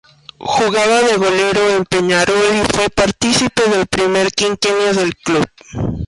Jugaba de golero en Peñarol y fue partícipe del primer Quinquenio del club.